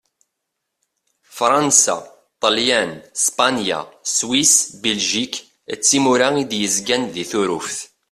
Fṛansa, Ṭelyan, Spanya, Swis, Biljik d timura i d-yerzan di Turuft.